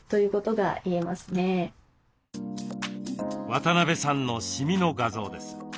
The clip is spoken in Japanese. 渡邉さんのシミの画像です。